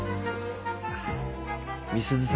美鈴さん